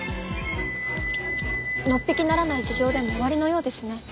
のっぴきならない事情でもおありのようですね。